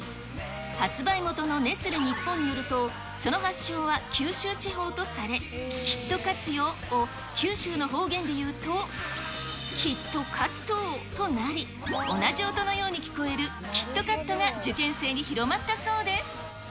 発売元のネスレ日本によると、その発祥は九州地方とされ、きっと勝つよを、九州の方言で言うと、きっと勝つとぉとなり、同じ音のように聞こえるキットカットが受験生に広まったそうです。